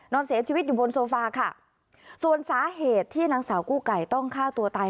นอนเสียชีวิตอยู่บนโซฟาค่ะส่วนสาเหตุที่นางสาวกู้ไก่ต้องฆ่าตัวตาย